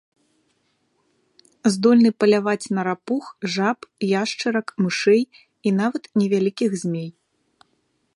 Здольны паляваць на рапух, жаб, яшчарак, мышэй і нават невялікіх змей.